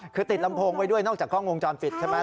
คือติดลำโพงไว้ด้วยนอกจากกล้องวงจรปิดใช่ไหม